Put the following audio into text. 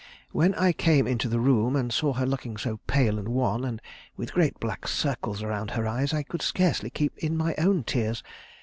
when I came into the room, and saw her looking so pale and wan, and with great black circles round her eyes, I could scarcely keep in my own tears.